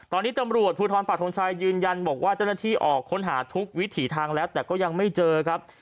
ตอนนี้ตำรวจภูทรปากทงชัยยืนยันบอกว่าเจ้าหน้าที่ออกค้นหาทุกวิถีทางแล้วแต่ก็ยังไม่เจอครับ